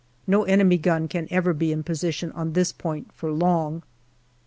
No enemy gun can ever be in position on this point for long.